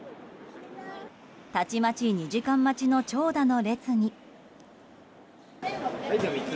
たちまち２時間待ちの長蛇の列に。